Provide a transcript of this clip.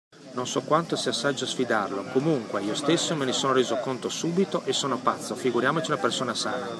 Non so quanto sia saggio sfidarlo, comunque: io stesso me ne sono reso conto subito, e sono pazzo: figuriamoci una persona sana.